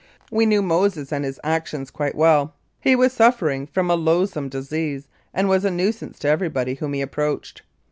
We knew Moses and his attrac tions quite well. He was suffering from a loathsome disease and was a nuisance to everybody whom he approached.